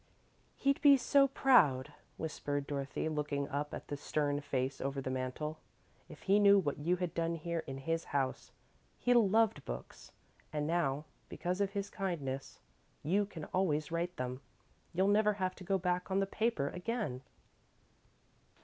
"He'd be so proud," whispered Dorothy, looking up at the stern face over the mantel, "if he knew what you had done here in his house. He loved books, and now, because of his kindness, you can always write them. You'll never have to go back on the paper again."